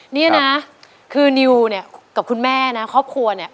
เนี่ยนะคือนิวเนี่ยกับคุณแม่นะครอบครัวเนี่ย